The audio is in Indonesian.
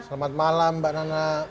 selamat malam mbak nana